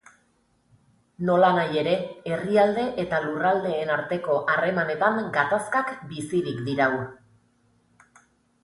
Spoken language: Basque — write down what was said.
Nolanahi ere, herrialde eta lurraldeen arteko harremanetan gatazkak bizirik dirau.